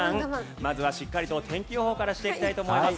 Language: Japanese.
まずはしっかりと天気予報からしていきたいと思います。